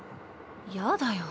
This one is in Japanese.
やだよ。